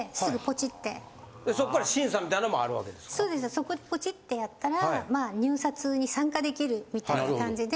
そこでポチッてやったらまあ入札に参加できるみたいな感じで。